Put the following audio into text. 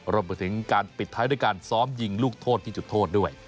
รวมไปถึงการปิดท้ายด้วยการซ้อมยิงลูกโทษที่จุดโทษด้วย